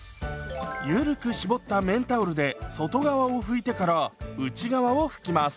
ゆるく絞った綿タオルで外側を拭いてから内側を拭きます。